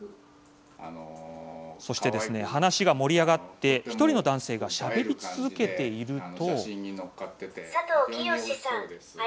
そして、話が盛り上がり１人の男性がしゃべり続けていると。